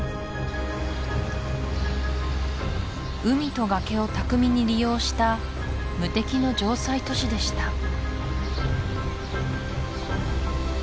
海と崖を巧みに利用した無敵の城塞都市でした